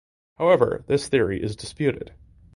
However this theory is disputed.